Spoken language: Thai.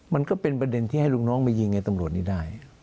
มันก็เป็นประเด็นที่ให้ลูกน้องมายิงในตำรวจนี้ได้